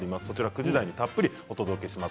９時台にたっぷりお伝えします。